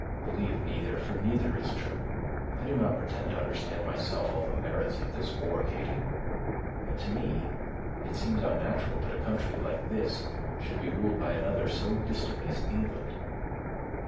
"Believe neither—for neither is true. I do not pretend to understand, myself, all the merits of this war, Katy; but to me it seems unnatural, that a country like this should be ruled by another so distant as England."